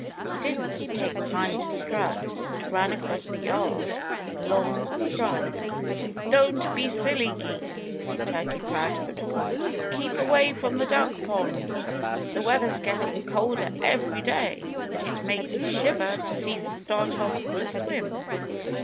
He didn't take time to strut, but ran across the yard with long strides. "Don't be silly geese!" Turkey Proudfoot called. "Keep away from the duck pond! The weather's getting colder every day; and it makes me shiver to see you start off for a swim."